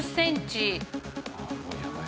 うわもうやばい。